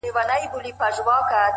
د تجربې غږ خاموش خو ژور وي!